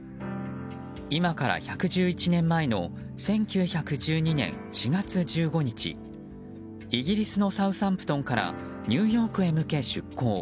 今から１１１年前の１９１２年４月１５日イギリスのサウサンプトンからニューヨークへ向け出航。